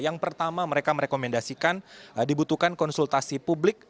yang pertama mereka merekomendasikan dibutuhkan konsultasi publik